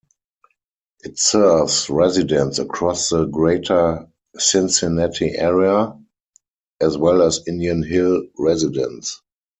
It serves residents across the Greater Cincinnati area, as well as Indian Hill residents.